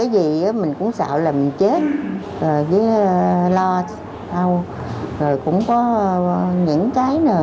ví dụ mình làm cái gì là hay quên cái đó